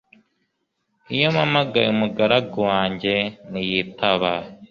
iyo mpamagaye umugaragu wanjye, ntiyitaba